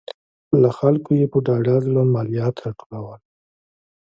له خلکو یې په ډاډه زړه مالیات راټولول.